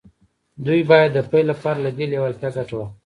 دوی باید د پیل لپاره له دې لېوالتیا ګټه واخلي